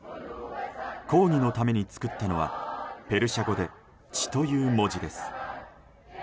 抗議のために作ったのはペルシャ語で「血」という文字です。